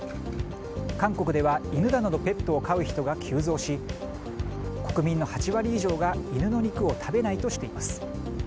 韓国では犬などのペットを飼う人が急増し国民の８割以上が犬の肉を食べないとしています。